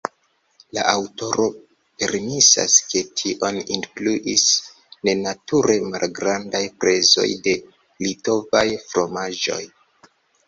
La aŭtoro premisas, ke tion influis nenature malgrandaj prezoj de litovaj fromaĝoj.